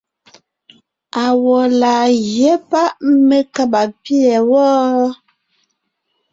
Awɔ̌ laa gyɛ́ páʼ mé kába pîɛ wɔ́?